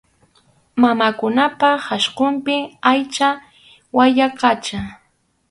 Mamakunapa qhasqunpi aycha wayaqacha.